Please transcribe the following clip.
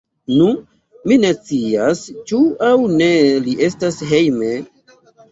Nu, mi ne scias, ĉu aŭ ne li estas hejme.